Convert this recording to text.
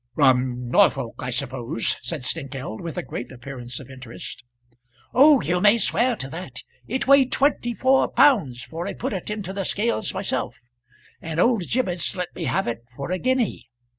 "From Norfolk, I suppose," said Snengkeld, with a great appearance of interest. "Oh, you may swear to that. It weighed twenty four pounds, for I put it into the scales myself, and old Gibbetts let me have it for a guinea.